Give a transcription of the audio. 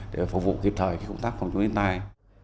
để phục vụ kịp thời công tác phòng chống thiên tai